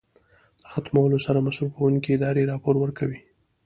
د ختمولو سره مصرفوونکې ادارې راپور ورکوي.